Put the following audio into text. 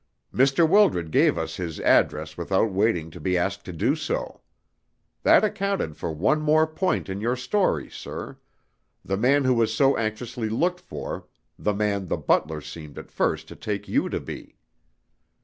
Mr. Wildred gave us his address without waiting to be asked to do so. That accounted for one more point in your story, sir the man who was so anxiously looked for, the man the butler seemed at first to take you to be.